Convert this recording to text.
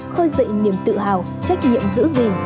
khơi dậy niềm tự hào trách nhiệm giữ gìn